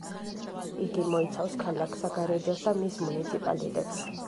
იგი მოიცავს ქალაქ საგარეჯოსა და მის მუნიციპალიტეტს.